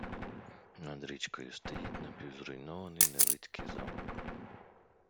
Над річкою стоїть напівзруйнований Невицький замок.